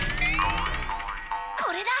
これだ！